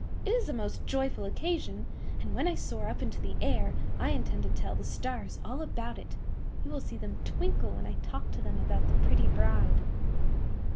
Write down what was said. It is a most joyful occasion, and when I soar up into the air I intend to tell the stars all about it. You will see them twinkle when I talk to them about the pretty bride."